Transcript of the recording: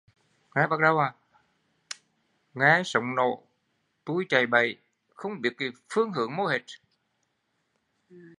Nghe súng nổ tui chạy bậy không biết phương hướng mô hết